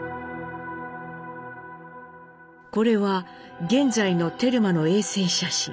これは現在のテルマの衛星写真。